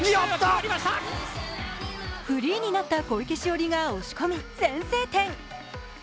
フリーになった小池詩織が押し込み先制点。